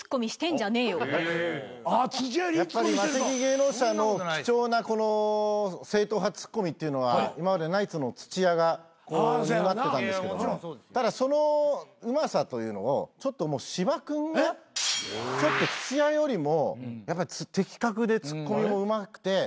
マセキ芸能社の貴重な正統派ツッコミっていうのは今までナイツの土屋が担ってたんですけどただそのうまさというのをちょっと芝君が土屋よりも的確でツッコミもうまくて。